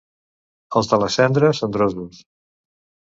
Els de la Cendra, cendrosos.